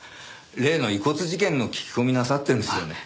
例の遺骨事件の聞き込みなさってるんですよね。